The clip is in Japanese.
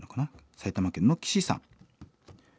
埼玉県のキシさん。